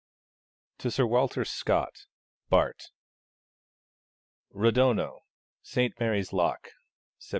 To Sir Walter Scott, Bart. Rodono, St. Mary's Loch: Sept.